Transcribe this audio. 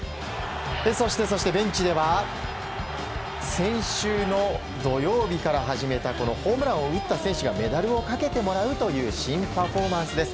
そして、ベンチでは先週の土曜日から始めたホームランを打った選手がメダルをかけてもらうという新パフォーマンスです。